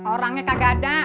orangnya kagak ada